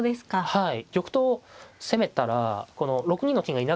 はい。